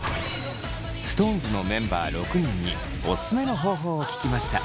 ＳｉｘＴＯＮＥＳのメンバー６人にオススメの方法を聞きました。